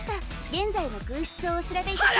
現在の空室をお調べいたします。